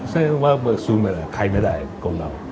เส้นว่าซื้อไม่ได้ขายไม่ได้กับเรา